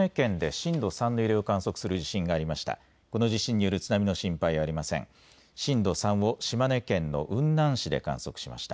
震度３を島根県の雲南市で観測しました。